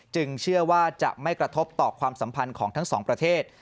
เชื่อว่าจะไม่กระทบต่อความสัมพันธ์ของทั้งสองประเทศ